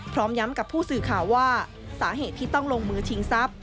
พร้อมย้ำกับผู้สื่อข่าวว่าสาเหตุที่ต้องลงมือชิงทรัพย